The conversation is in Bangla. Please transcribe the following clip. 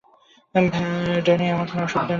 ড্যানি, কোন অসুবিধা নেই।